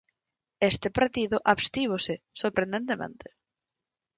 Este partido abstívose, sorprendentemente.